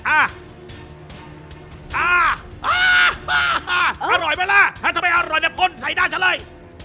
อ่าฮ่าอร่อยไหมล่ะให้ทำให้อร่อยแต่คนใส่หน้าชันเลย